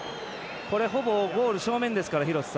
ほぼゴール正面ですから。